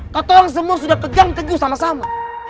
kata orang semua sudah pegang teguh sama sama